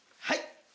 はい。